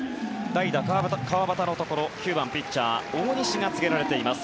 代打、川端のところ９番ピッチャー、大西が告げられています。